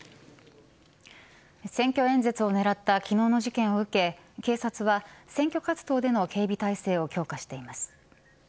選挙演説を狙った昨日の事件を受け警察は選挙活動での警備態勢を強化しています。